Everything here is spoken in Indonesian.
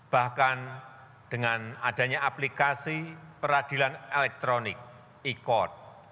bahkan dengan adanya aplikasi peradilan elektronik e court